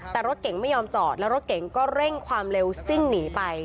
แต่รถเก่งไม่ยอมจอดแล้วรถเก๋งก็เร่งความเร็วซิ่งหนีไป